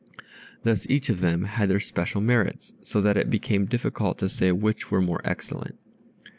Thus each of them had their special merits, so that it became difficult to say which were more excellent.